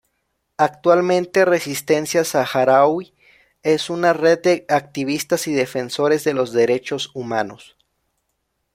Actualmente Resistencia Saharaui es una red de activistas y defensores de los derechos humanos.